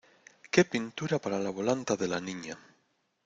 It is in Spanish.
¡ qué pintura para la volanta de la Niña!